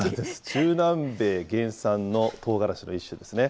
中南米原産のとうがらしの一種ですね。